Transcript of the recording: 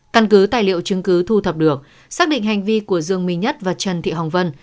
căn cứ tài liệu chứng cứ thu thập được xác định hành vi của dương minh nhất và trần thị hồng vân